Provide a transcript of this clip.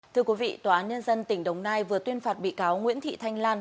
thưa quý vị tòa án nhân dân tỉnh đồng nai vừa tuyên phạt bị cáo nguyễn thị thanh lan